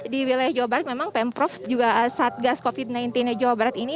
di wilayah jawa barat memang pemprov juga satgas covid sembilan belas jawa barat ini